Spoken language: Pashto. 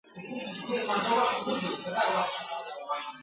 پټ یې د زړه نڅا منلای نه سم !.